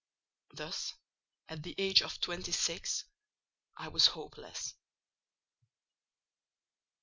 Thus, at the age of twenty six, I was hopeless.